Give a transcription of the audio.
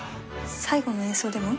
最後の演奏でも？